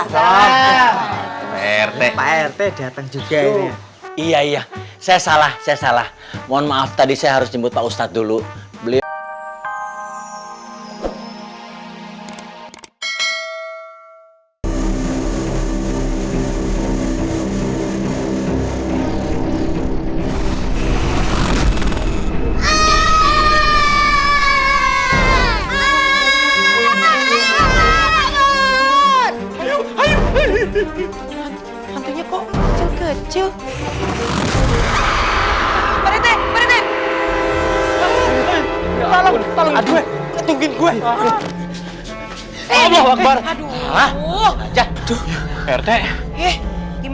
saya salah saya salah mohon maaf tadi saya harus jemput pak ustadz dulu beli